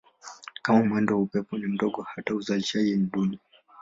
Kama mwendo wa upepo ni mdogo hata uzalishaji ni duni.